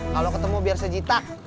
kalau ketemu biar sejitak